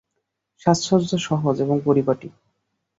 সাজসজ্জা সহজ এবং পরিপাটি।